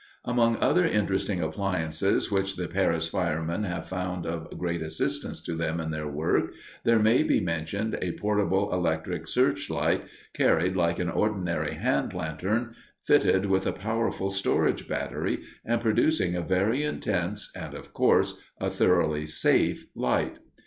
Among other interesting appliances which the Paris firemen have found of great assistance to them in their work there may be mentioned a portable electric search light, carried like an ordinary hand lantern, fitted with a powerful storage battery, and producing a very intense, and, of course, a thoroughly safe light.